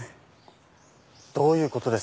どういうことですか？